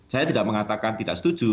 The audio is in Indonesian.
saya tidak mengatakan tidak setuju